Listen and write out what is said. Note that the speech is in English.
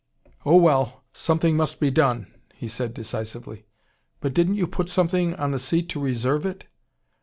"Oh well something must be done," said he decisively. "But didn't you put something in the seat to RESERVE it?"